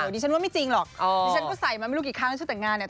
ดิฉันว่าไม่จริงหรอกดิฉันก็ใส่มาไม่รู้กี่ครั้งแล้วฉันแต่งงานเนี่ย